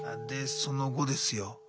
でその後ですよ